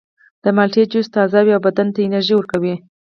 د مالټې جوس تازه وي او بدن ته انرژي ورکوي.